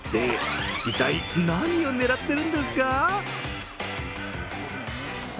一体、何を狙ってるんですか？